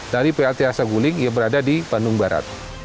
dari plta sapuling yang berada di bandung barat